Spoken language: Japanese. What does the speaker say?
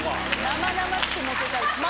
生々しくモテたい。